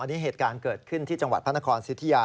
อันนี้เหตุการณ์เกิดขึ้นที่จังหวัดพระนครสิทธิยา